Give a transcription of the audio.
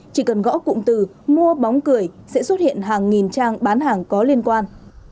chỉ cần gõ cụm từ mua bóng cười sẽ xuất hiện hàng nghìn trang bán hàng có liên quan